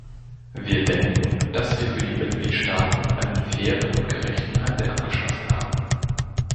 Wir denken, dass wir für die Mitgliedstaaten einen fairen und gerechten Handel abgeschlossen haben.